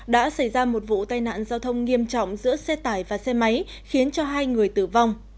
đã xảy ra một vụ tai nạn giao thông nghiêm trọng giữa xe tải và xe máy khiến cho hai người tử vong